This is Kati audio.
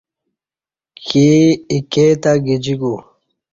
کی ایکے تہ گجیکو